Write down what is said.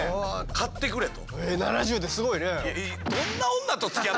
買ってくれと。